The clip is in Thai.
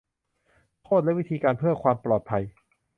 โทษและวิธีการเพื่อความปลอดภัย